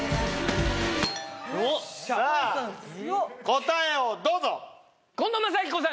答えをどうぞ！